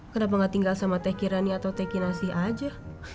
kenapa gak tinggal sama teh kirani atau teh kinasi aja